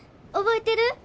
覚えてる？